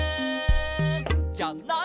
「じゃない」